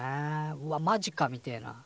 うわマジかみてえな。